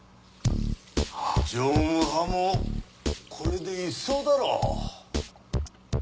常務派もこれで一掃だろう。